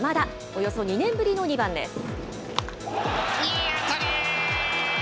およそ２年ぶりの２番です。